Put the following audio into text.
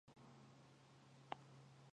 کټه اندي څملستوب زده کو؛ ترينو